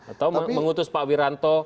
atau mengutus pak wiranto